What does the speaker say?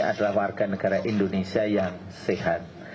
adalah warga negara indonesia yang sehat